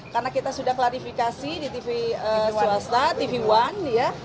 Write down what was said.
karena kita sudah klarifikasi di tv suasta tv one